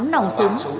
tám nòng súng